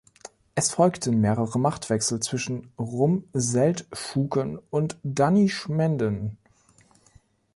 Es folgten mehrfache Machtwechsel zwischen Rum-Seldschuken und Danischmenden.